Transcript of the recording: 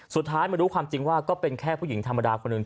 สุดท้ายมารู้ความจริงว่าก็เป็นแค่ผู้หญิงธรรมดาคนหนึ่ง